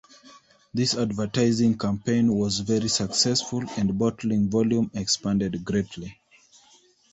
This advertising campaign was very successful, and bottling volume expanded greatly.